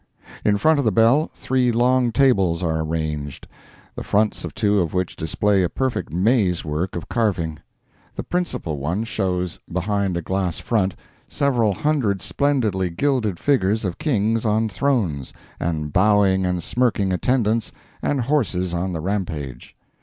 In front of the bell, three long tables are ranged, the fronts of two of which display a perfect maze work of carving. The principal one shows, behind a glass front, several hundred splendidly gilded figures of kings on thrones, and bowing and smirking attendants, and horses on the rampage.